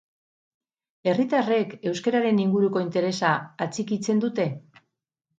Herritarrek euskararen inguruko interesa atxikitzen dute?